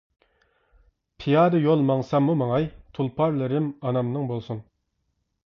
پىيادە يول ماڭساممۇ ماڭاي، تۇلپارلىرىم ئانامنىڭ بولسۇن.